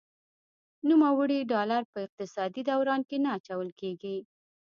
نوموړي ډالر په اقتصادي دوران کې نه اچول کیږي.